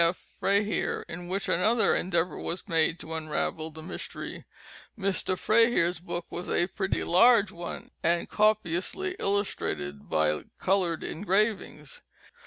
F. Freyhere in which another endeavor was made to unravel the mystery. Mr. Freyhere's book was a pretty large one, and copiously illustrated by colored engravings.